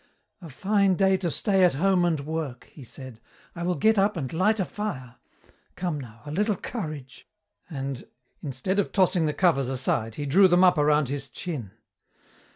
"A fine day to stay at home and work," he said. "I will get up and light a fire. Come now, a little courage " and instead of tossing the covers aside he drew them up around his chin.